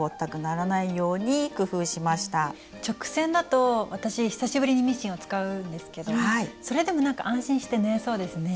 直線だと私久しぶりにミシンを使うんですけどそれでもなんか安心して縫えそうですね。